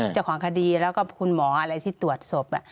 เจ้าของคดีแล้วก็คุณหมออะไรที่ตรวจศพ